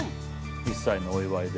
１歳のお祝いで。